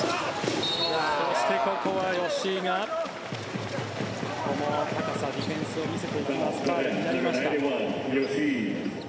そして、ここは吉井がここも高さディフェンスを見せていきファウルになりました。